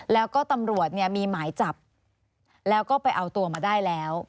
แล้วก็ตำรวจเนี่ยมีหมายจับแล้วก็ไปเอาตัวมาได้แล้ว